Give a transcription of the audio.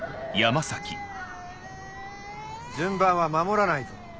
順番は守らないと。